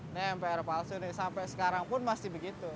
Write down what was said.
ini mpr palsu nih sampai sekarang pun masih begitu